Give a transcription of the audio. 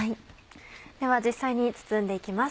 では実際に包んで行きます。